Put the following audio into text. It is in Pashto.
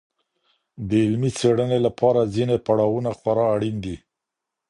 د علمي څېړني لپاره ځیني پړاوونه خورا اړین دي.